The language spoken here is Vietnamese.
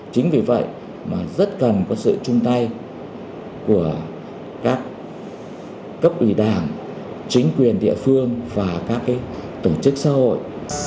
chính vì vậy mà rất cần có sự chung tay của các cấp ủy đảng chính quyền địa phương và các tổ chức xã hội